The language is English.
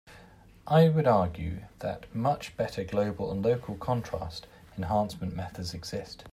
I would argue that much better global and local contrast enhancement methods exist.